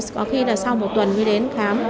có khi là sau một tuần mới đến khám